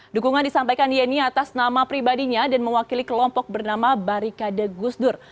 dukungan disampaikan yeni atas nama pribadinya dan mewakili kelompok bernama barikade gusdur